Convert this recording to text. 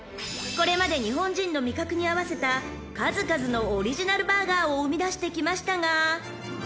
［これまで日本人の味覚に合わせた数々のオリジナルバーガーを生みだしてきましたが］